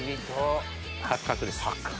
八角です。